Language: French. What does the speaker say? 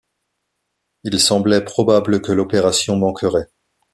Il semblait probable que l’opération manquerait.